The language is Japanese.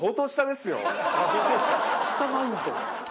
下マウント。